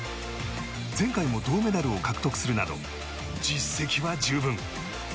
前回も銅メダルを獲得するなど実績は十分。